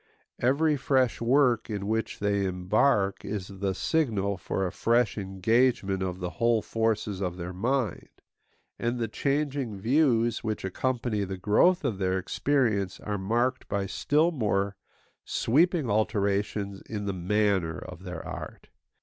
Every fresh work in which they embark is the signal for a fresh engagement of the whole forces of their mind; and the changing views which accompany the growth of their experience are marked by still more sweeping alterations in the manner of their art.